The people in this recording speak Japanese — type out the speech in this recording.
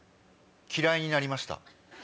嫌いになりました。